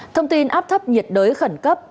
thông tin áp thấp nhiệt đới khẩn cấp